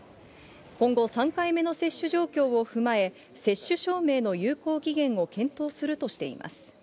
今後３回目の接種状況を踏まえ、接種証明の有効期限を検討するとしています。